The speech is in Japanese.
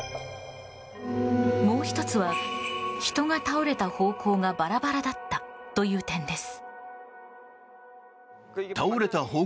もう１つは、人が倒れた方向がバラバラだったという点です。